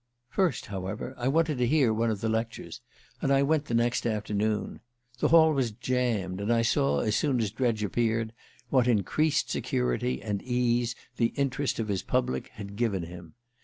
First, however, I wanted to hear one of the lectures; and I went the next afternoon. The hall was jammed, and I saw, as soon as Dredge appeared, what increased security and ease the interest of his public had given him.